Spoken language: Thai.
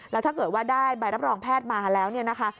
แล้วถ้าเกิดว่าได้ใบรับรองแพทย์มาแล้วเนี่ยนะคะ